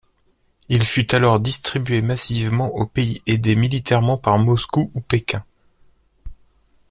Il fut alors distribué massivement aux pays aidés militairement par Moscou ou Pékin.